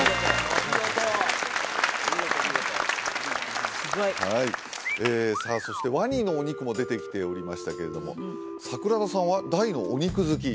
お見事お見事お見事すごいはいさあそしてワニのお肉も出てきておりましたけれども桜田さんは大のお肉好き？